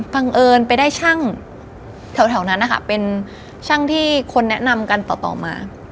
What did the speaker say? บังเอิญไปได้ช่างแถวนั้นนะคะเป็นช่างที่คนแนะนำกันต่อมา